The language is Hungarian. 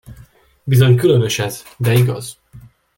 Bizony különös ez, de igaz.